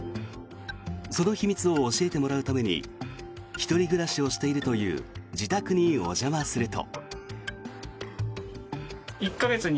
その秘密を教えてもらうために１人暮らしをしているという自宅にお邪魔すると。